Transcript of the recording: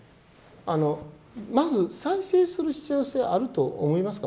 まず再生する必要性あると思いますか？